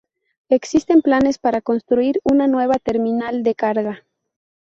Existen planes para construir una nueva terminal de carga.